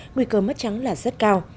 nguy cơ mất trắng là rất cao